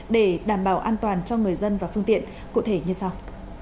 để đảm bảo an toàn cho người dân và phương tiện cụ thể như sau